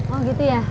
oh gitu ya